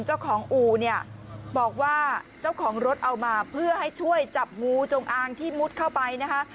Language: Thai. เจ้าของอู่เนี่ยบอกว่าเจ้าของรถเอามาเพื่อให้ช่วยจับงูจงอางที่มุดเข้าไปนะคะ